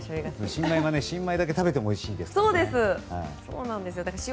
新米は新米だけ食べてもおいしいですから。